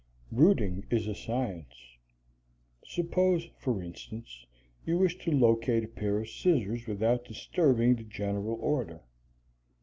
Rooting is a science. Suppose, for instance, you wish to locate a pair of scissors without disturbing the general order.